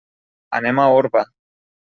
Anem a Orba.